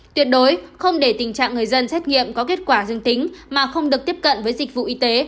tuyệt đối không để tình trạng người dân xét nghiệm có kết quả dương tính mà không được tiếp cận với dịch vụ y tế